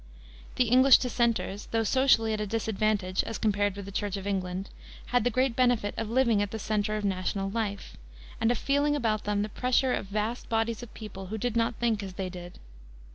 The English dissenters, though socially at a disadvantage as compared with the Church of England, had the great benefit of living at the center of national life, and of feeling about them the pressure of vast bodies of people who did not think as they did.